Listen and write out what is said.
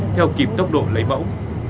theo kìm tốc độ lấy mẫu